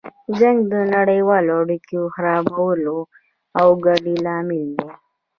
جنګ د نړیوالو اړیکو خرابولو او ګډوډۍ لامل دی.